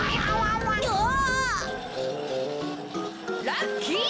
ラッキー！